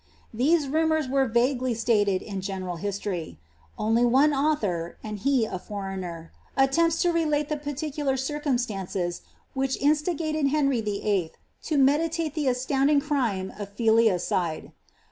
''' These ru mours are vaguely stated in general history ; only one author, and he t foreigner, attempts to relate the particular circumstances which instigited Henry VIII. to meditate the astounding crime of filiacide.